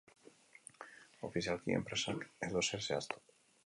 Ofizialki, enpresak ez du ezer zehaztu.